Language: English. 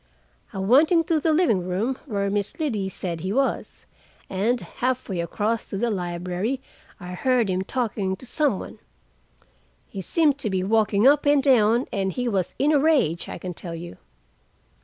I went into the living room, where Miss Liddy said he was, and half way across to the library I heard him talking to some one. He seemed to be walking up and down, and he was in a rage, I can tell you."